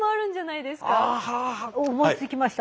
思いつきました。